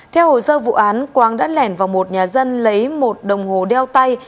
theo hồ sơ vụ án quán đã lèn vào một nhà dân lấy một đồng hồ đeo tay